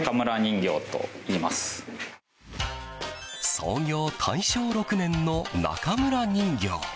創業大正６年の中村人形。